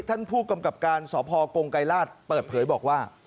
ท่านผู้กำกับการสพกงไกรราชเปิดเผยบอกว่า